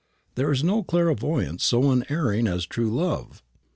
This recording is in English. There is no clairvoyance so unerring as true love."